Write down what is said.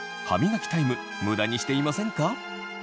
歯磨きタイム無駄にしていませんか？